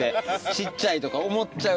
小っちゃいとか思っちゃう。